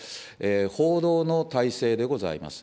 報道の体制でございます。